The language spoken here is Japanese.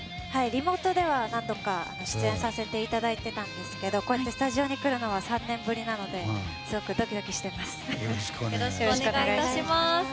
リモートでは何度か出演させていただいていたんですがこうやってスタジオに来るのは３年ぶりなのですごくドキドキしています。